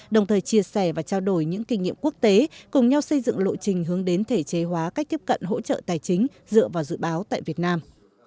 đồng thời chia sẻ và trao đổi những kinh nghiệm quốc tế cùng nhau xây dựng lộ trình hướng đến thể chế hóa cách tiếp cận hỗ trợ tài chính dựa vào dự báo tại việt nam